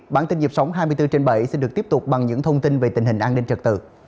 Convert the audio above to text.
bản tin dịp sống hai mươi bốn trên bảy sẽ được tiếp tục bằng những thông tin về tình hình an ninh trật tự